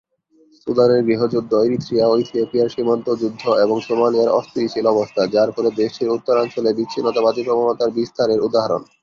সুদানের গৃহযুদ্ধ, ইরিত্রিয়া ও ইথিওপিয়ার সীমান্ত যুদ্ধ, এবং সোমালিয়ার অস্থিতিশীল অবস্থা, যার ফলে দেশটির উত্তরাঞ্চলে বিচ্ছিন্নতাবাদী প্রবণতার বিস্তার এর উদাহরণ।